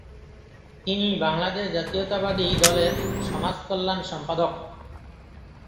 তিনি বাংলাদেশ জাতীয়তাবাদী দলের সমাজকল্যাণ সম্পাদক।